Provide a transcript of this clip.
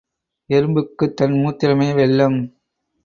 எறும்புக்குத் தன் மூத்திரமே வெள்ளம்.